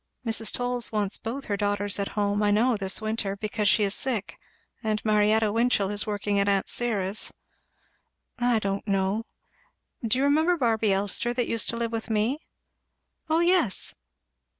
Mrs. Toles wants both her daughters at home I know this winter, because she is sick; and Marietta Winchel is working at aunt Syra's; I don't know Do you remember Barby Elster, that used to live with me?" "O yes!"